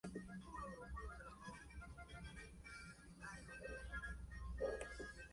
No se puede hacer tanto con la carne picada y las patatas.